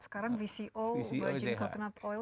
sekarang vco virgin coconut oil